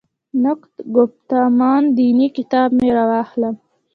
«نقد ګفتمان دیني» کتاب مې راواخلم.